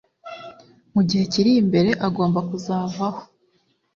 mu gihe kiri imbere agomba kuzavaho